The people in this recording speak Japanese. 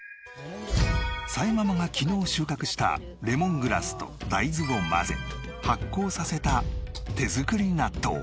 さえママが昨日収穫したレモングラスと大豆を混ぜ発酵させた手作り納豆。